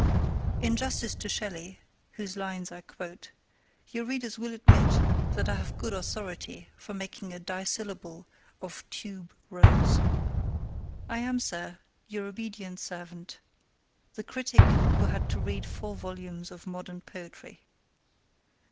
In justice to Shelley, whose lines I quote, your readers will admit that I have good authority for making a dissyllable of tuberose. I am, Sir, your obedient servant, THE CRITIC, WHO HAD TO READ FOUR VOLUMES OF MODERN POETRY.